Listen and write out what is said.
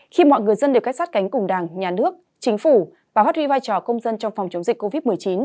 khi mọi người dân đều cách sát cánh cùng đảng nhà nước chính phủ và phát huy vai trò công dân trong phòng chống dịch covid một mươi chín